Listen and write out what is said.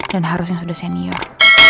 dan harusnya sudah senior